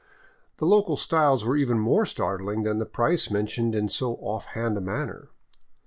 The local styles were even more startling than the price mentioned in so off hand a manner.